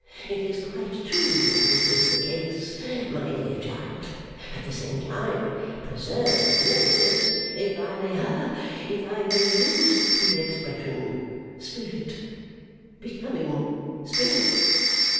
It is quite true that this is the case, my dear child. At the same time, I preserve in doing this, if I may ha if I may use the expression Spirit. Becoming Spirit.